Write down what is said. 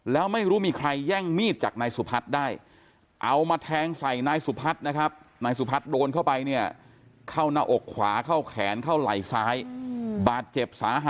แล้วไม่รู้มีใครแย่งมีดจากนายสุพัฒน์ได้เอามาแท้งใส่นายสุพัฒน์นะครับ